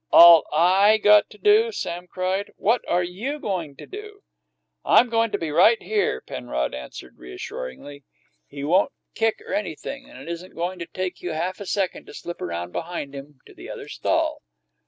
"All I got to do!" Sam cried. "What are you goin' to do?" "I'm goin' to be right here," Penrod answered reassuringly. "He won't kick or anything, and it isn't goin' to take you half a second to slip around behind him to the other stall."